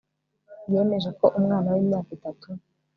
yemeje ko umwana w'imyaka itatu